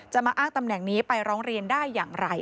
มาอ้างตำแหน่งนี้ไปร้องเรียนได้อย่างไร